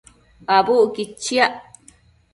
Abucquid chiac